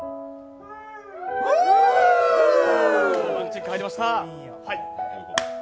ロマンチック入りました。